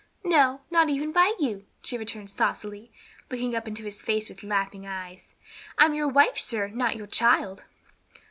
"No, not even by you," she returned saucily, looking up into his face with laughing eyes. "I'm your wife, sir, not your child."